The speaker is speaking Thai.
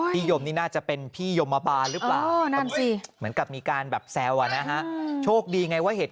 พี่ยมนี่น่าจะเป็นพี่ยมพา